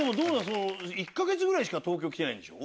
１か月ぐらいしか東京来てないんでしょ？